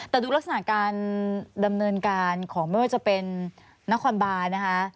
แต่ดูลักษณะการดำเนินการของไม่ว่าจะเป็นนครบานนะคะ